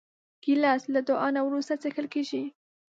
ګیلاس له دعا نه وروسته څښل کېږي.